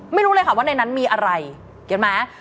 ไม่รู้เลยค่ะว่าในนั้นมีอะไรเห็นไหม